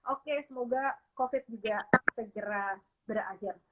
oke semoga covid juga segera berakhir